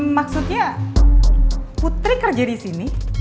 maksudnya putri kerja disini